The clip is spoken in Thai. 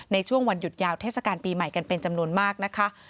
ในช่วงวันหยุดยาวเทศกาลปีใหม่กันเป็นจำนวนมากนะคะ